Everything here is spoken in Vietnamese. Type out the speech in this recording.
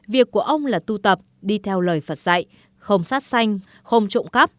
việc của ông là tu tập đi theo lời phật dạy không sát xanh không trộm cắp